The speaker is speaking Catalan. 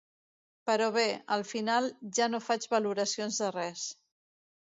Però bé, al final ja no faig valoracions de res.